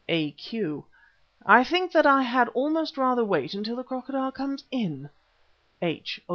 A.Q.: "I think that I had almost rather wait until the Crocodile comes in." H.